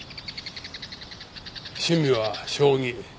趣味は将棋。